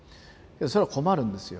それは困るんですよ。